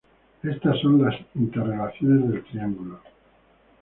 Estas son las interrelaciones del triángulo.